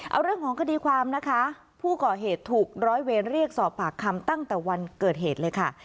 เอาเรื่องของคดีความนะคะผู้ก่อเหตุถูกร้อยเวรเรียกสอบปากคำตั้งแต่วันเกิดเหตุเลยค่ะ